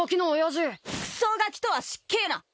クソガキとは失敬な！